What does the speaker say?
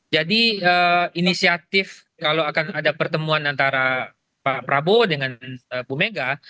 jadi inisiatif kalau akan ada pertemuan antara pak prabowo dengan bu mega